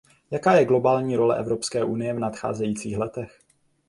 Jaká je globální role Evropské unie v nadcházejících letech?